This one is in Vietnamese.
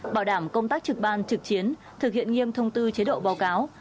bảo đảm công tác trực ban trực chiến thực hiện nghiêm thông tư chế độ báo cáo